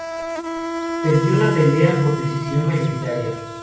Perdió la pelea por decisión mayoritaria.